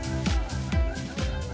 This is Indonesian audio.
bagaimana cara membuatnya